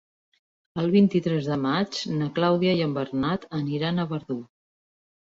El vint-i-tres de maig na Clàudia i en Bernat aniran a Verdú.